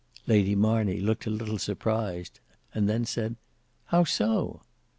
Lady Marney looked a little surprised, and then said, "How so?"